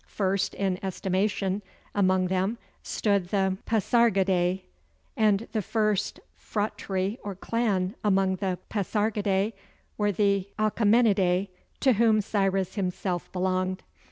First in estimation among them stood the Pasargadæ; and the first phratry or clan among the Pasargadæ were the Achæmenidæ, to whom Cyrus himself belonged.